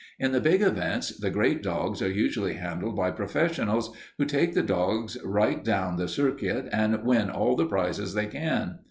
In the big events the great dogs are usually handled by professionals, who take the dogs right down the circuit and win all the prizes they can.